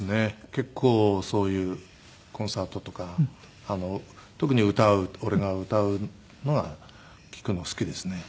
結構そういうコンサートとか特に歌俺が歌うのは聴くの好きですね。